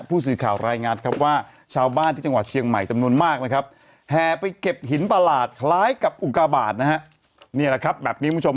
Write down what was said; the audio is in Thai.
เวลาเวลาเบิกความต้องใช้ความจำอ้อหนุ่มเราไปด้วยกันอยู่แล้วหนุ่มกอดคอกันแวว